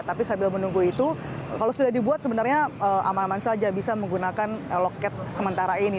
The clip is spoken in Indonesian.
tapi sambil menunggu itu kalau sudah dibuat sebenarnya aman aman saja bisa menggunakan loket sementara ini